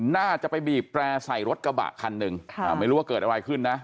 น่าจะไปบีบแปรใส่รถกระบะคันหนึ่งไม่รู้ว่าเกิดอะไรขึ้นนะ